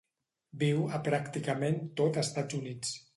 Viu a pràcticament tot Estats Units.